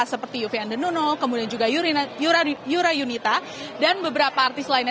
seperti yuvian denuno kemudian juga yura yunita dan beberapa artis lainnya